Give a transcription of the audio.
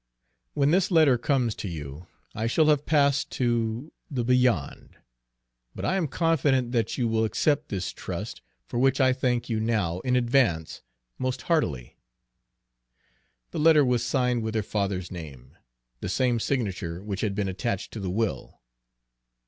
When this letter comes to you, I shall have passed to the Beyond; but I am confident that you will accept this trust, for which I thank you now, in advance, most heartily. The letter was signed with her father's name, the same signature which had been attached to the will.